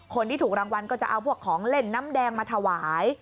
คนที่ถูกรางวัลก็จะเอาพวกของเล่นน้ำแดงมาถวาย